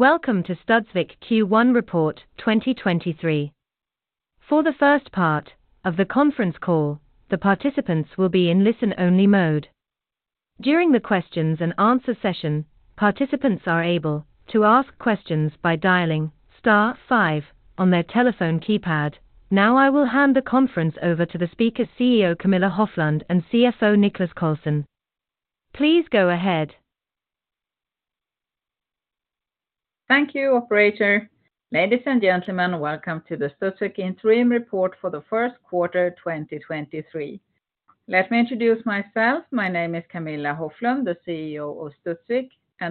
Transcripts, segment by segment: Welcome to Studsvik Q1 report 2023. For the first part of the conference call, the participants will be in listen-only mode. During the questions and answer session, participants are able to ask questions by dialing star 5 on their telephone keypad. I will hand the conference over to the speakers CEO Camilla Hoflund and CFO Niklas Karlsson. Please go ahead. Thank you, operator. Ladies and gentlemen, welcome to the Studsvik interim report for the first quarter 2023. Let me introduce myself. My name is Camilla Hoflund, the CEO of Studsvik.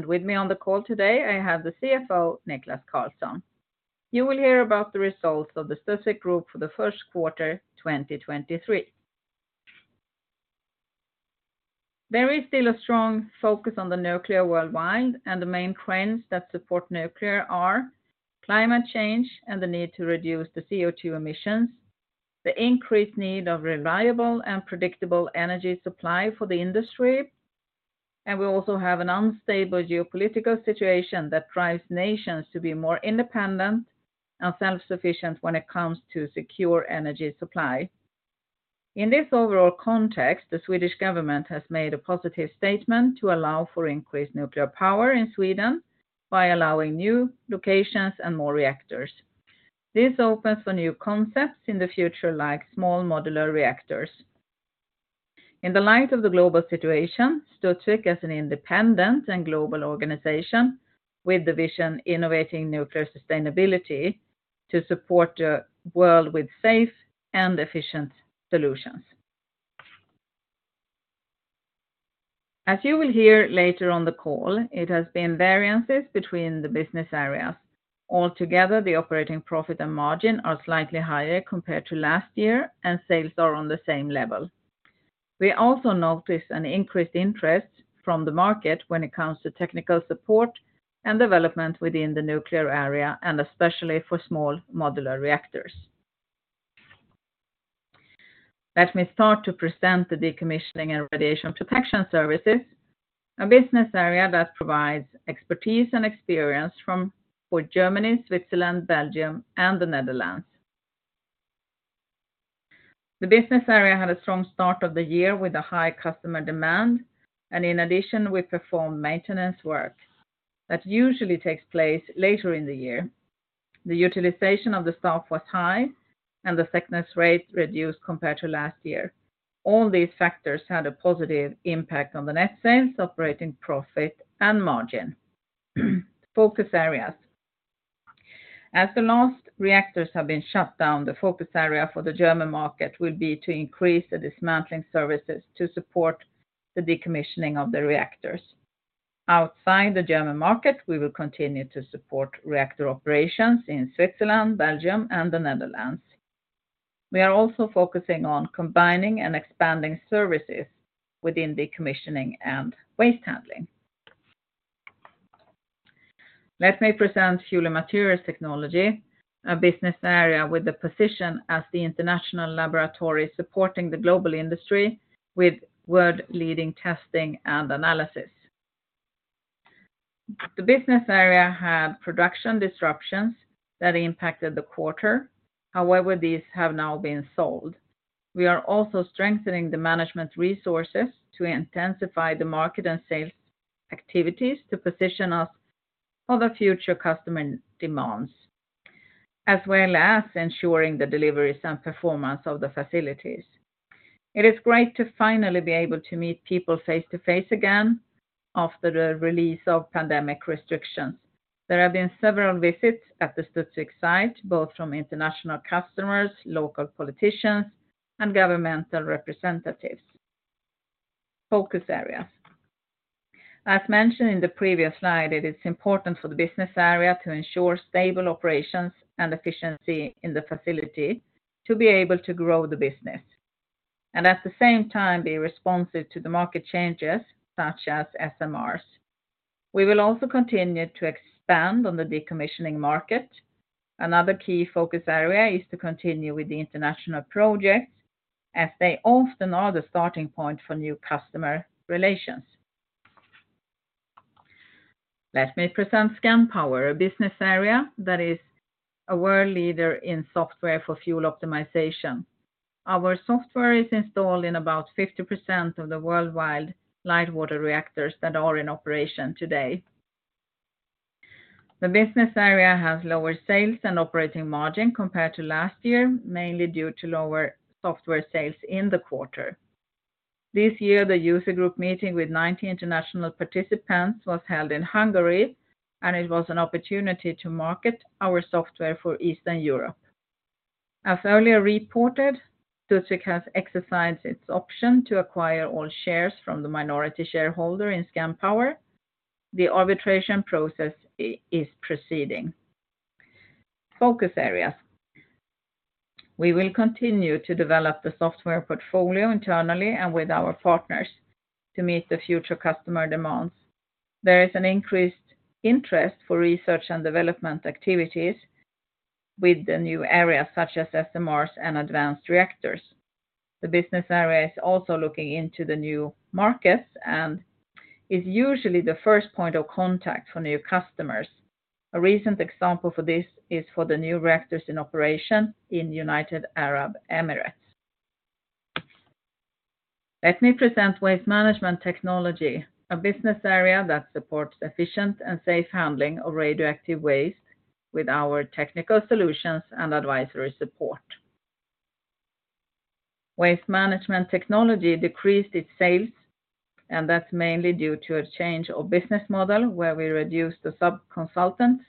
With me on the call today, I have the CFO, Niklas Karlsson. You will hear about the results of the Studsvik group for the first quarter 2023. There is still a strong focus on the nuclear worldwide. The main trends that support nuclear are climate change and the need to reduce the CO2 emissions, the increased need of reliable and predictable energy supply for the industry, and we also have an unstable geopolitical situation that drives nations to be more independent and self-sufficient when it comes to secure energy supply. In this overall context, the Swedish government has made a positive statement to allow for increased nuclear power in Sweden by allowing new locations and more reactors. This opens for new concepts in the future, like small modular reactors. In the light of the global situation, Studsvik is an independent and global organization with the vision innovating nuclear sustainability to support the world with safe and efficient solutions. As you will hear later on the call, it has been variances between the business areas. Altogether, the operating profit and margin are slightly higher compared to last year, and sales are on the same level. We also notice an increased interest from the market when it comes to technical support and development within the nuclear area, and especially for small modular reactors. Let me start to present the Decommissioning and Radiation Protection Services, a business area that provides expertise and experience for Germany, Switzerland, Belgium, and the Netherlands. The business area had a strong start of the year with a high customer demand, and in addition, we performed maintenance work that usually takes place later in the year. The utilization of the staff was high, and the sickness rate reduced compared to last year. All these factors had a positive impact on the net sales, operating profit and margin. Focus areas. As the last reactors have been shut down, the focus area for the German market will be to increase the dismantling services to support the decommissioning of the reactors. Outside the German market, we will continue to support reactor operations in Switzerland, Belgium, and the Netherlands. We are also focusing on combining and expanding services within decommissioning and waste handling. Let me present Fuel and Materials Technology, a business area with the position as the international laboratory supporting the global industry with world-leading testing and analysis. The business area had production disruptions that impacted the quarter. These have now been sold. We are also strengthening the management resources to intensify the market and sales activities to position us for the future customer demands, as well as ensuring the deliveries and performance of the facilities. It is great to finally be able to meet people face to face again after the release of pandemic restrictions. There have been several visits at the Studsvik site, both from international customers, local politicians, and governmental representatives. Focus areas. As mentioned in the previous slide, it is important for the business area to ensure stable operations and efficiency in the facility to be able to grow the business and at the same time be responsive to the market changes such as SMRs. We will also continue to expand on the decommissioning market. Another key focus area is to continue with the international projects as they often are the starting point for new customer relations. Let me present Scandpower, a business area that is a world leader in software for fuel optimization. Our software is installed in about 50% of the worldwide light water reactors that are in operation today. The business area has lower sales and operating margin compared to last year, mainly due to lower software sales in the quarter. This year, the user group meeting with 90 international participants was held in Hungary, and it was an opportunity to market our software for Eastern Europe. As earlier reported, Studsvik has exercised its option to acquire all shares from the minority shareholder in Scandpower. The arbitration process is proceeding. Focus areas. We will continue to develop the software portfolio internally and with our partners to meet the future customer demands. There is an increased interest for research and development activities. With the new areas such as SMRs and advanced reactors. The business area is also looking into the new markets and is usually the first point of contact for new customers. A recent example for this is for the new reactors in operation in United Arab Emirates. Let me present Waste Management Technology, a business area that supports efficient and safe handling of radioactive waste with our Technical Solutions and Advisory support. Waste Management Technology decreased its sales. That's mainly due to a change of business model where we reduced the sub-consultants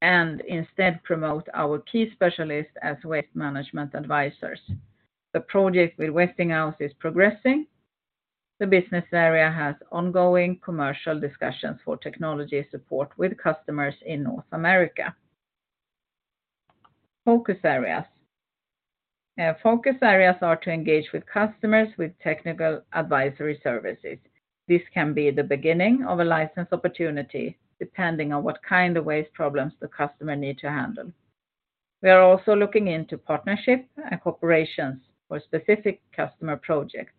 and instead promote our key specialists as waste management advisors. The project with Westinghouse is progressing. The business area has ongoing commercial discussions for technology support with customers in North America. Focus areas are to engage with customers with Technical Advisory services. This can be the beginning of a license opportunity, depending on what kind of waste problems the customer need to handle. We are also looking into partnership and cooperations for specific customer projects.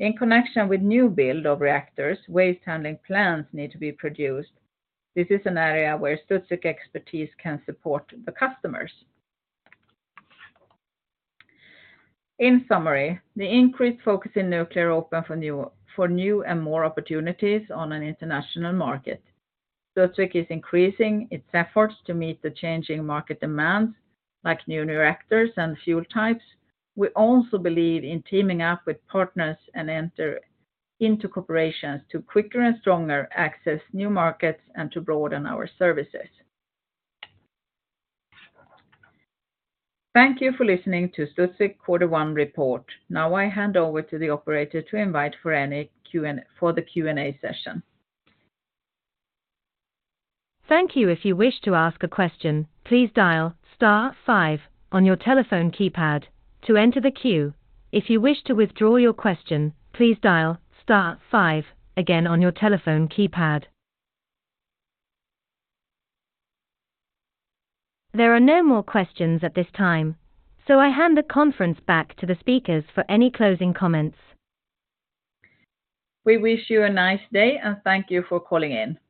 In connection with new build of reactors, waste handling plans need to be produced. This is an area where Studsvik expertise can support the customers. In summary, the increased focus in nuclear open for new and more opportunities on an international market. Studsvik is increasing its efforts to meet the changing market demands, like new reactors and fuel types. We also believe in teaming up with partners and enter into corporations to quicker and stronger access new markets and to broaden our services. Thank you for listening to Studsvik quarter one report. Now I hand over to the operator to invite for the Q&A session. Thank you. If you wish to ask a question, please dial star 5 on your telephone keypad to enter the queue. If you wish to withdraw your question, please dial star five again on your telephone keypad. There are no more questions at this time, so I hand the conference back to the speakers for any closing comments. We wish you a nice day, and thank you for calling in. Bye.